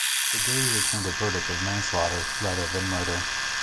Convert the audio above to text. The jury returned a verdict of manslaughter rather than murder.